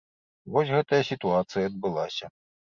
Вось гэтая сітуацыя адбылася.